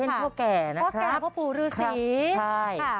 อย่างเช่นพ่อแก่นะครับพ่อแก่พ่อปู่ฤษีใช่ค่ะ